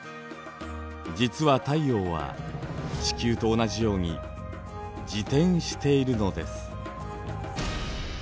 実は太陽は地球と同じように自転しているのです。